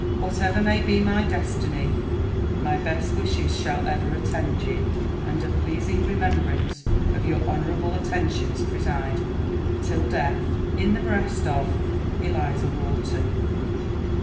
Whatever may be my destiny, my best wishes shall ever attend you, and a pleasing remembrance of your honorable attentions preside, till death, in the breast of ELIZA WHARTON.